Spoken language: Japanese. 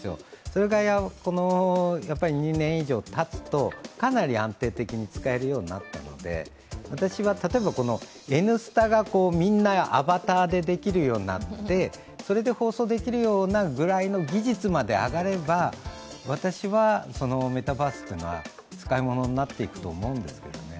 それが２年以上たつとかなり安定的に使えるようになったので、私は例えば、この「Ｎスタ」がみんなアバターでできるようになってそれで放送できるようなぐらいの技術まで上がれば、私はメタバースっていうのは使い物になっていくと思うんですよね。